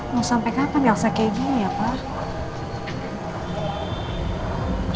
mau sampai kapan elsa kayak gini ya pa